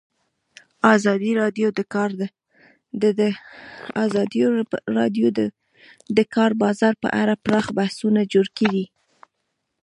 ازادي راډیو د د کار بازار په اړه پراخ بحثونه جوړ کړي.